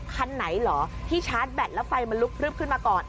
คันไหนเหรอที่ชาร์จแบตแล้วไฟมันลุกพลึบขึ้นมาก่อน